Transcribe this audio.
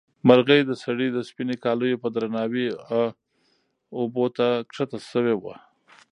مرغۍ د سړي د سپینې کالیو په درناوي اوبو ته ښکته شوې وه.